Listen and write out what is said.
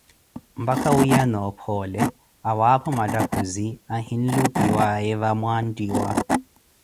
mpakha wiiyana ophoole, awaapho mattakhuzi ahinlupiwaaye vamwanttiwa.